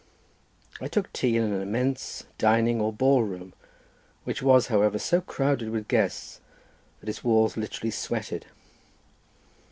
I took tea in an immense dining or ball room, which was, however, so crowded with guests that its walls literally sweated.